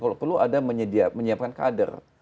kalau perlu ada menyiapkan kader